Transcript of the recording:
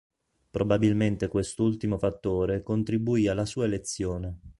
Probabilmente quest'ultimo fattore contribuì alla sua elezione.